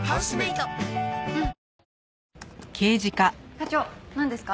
課長なんですか？